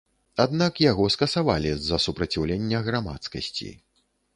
Аднак яго скасавалі з-за супраціўлення грамадскасці.